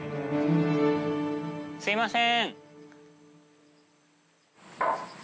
すみません！